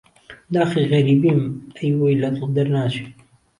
داخی غهریبیم ئهی وهی له دڵ دهرناچێ